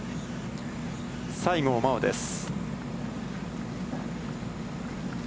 西郷真央です。